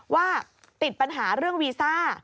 ว่าติดปัญหาเรื่องวีซ่า